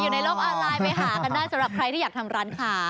ในโลกออนไลน์ไปหากันได้สำหรับใครที่อยากทำร้านค้า